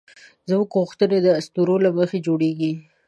زموږ غوښتنې د اسطورو له مخې جوړېږي.